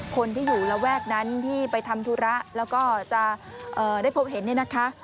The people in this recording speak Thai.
คนที่อยู่ระแวกนั้นที่ไปทำธุระแล้วก็จะได้พบเห็นเนี่ยนะคะ